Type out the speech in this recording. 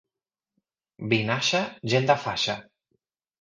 Vinaixa, gent de faixa.